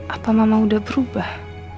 apa mama udah berubah